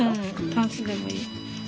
タンスでもいい。